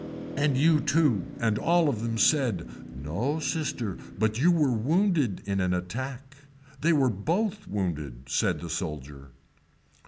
And you too and all of them said, no sister but you were wounded in an attack. We were both wounded, said the soldier.